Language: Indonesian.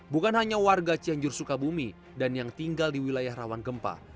bukan hanya warga cianjur sukabumi dan yang tinggal di wilayah rawan gempa